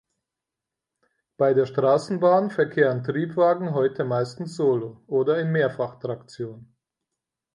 Bei der Straßenbahn verkehren Triebwagen heute meistens solo oder in Mehrfachtraktion.